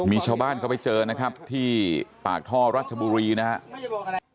มีชาวบ้านเขาไปเจอนะครับที่ปากท่อรัชบุรีนะครับ